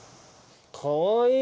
かわいい！